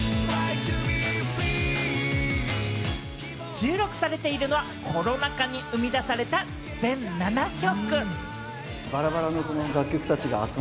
収録されているのはコロナ禍に生み出された全７曲。